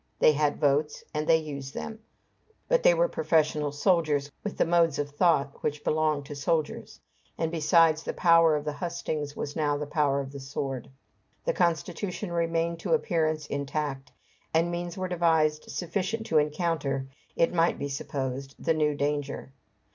They had votes, and they used them; but they were professional soldiers with the modes of thought which belong to soldiers; and besides, the power of the hustings was now the power of the sword. The constitution remained to appearance intact, and means were devised sufficient to encounter, it might be supposed, the new danger.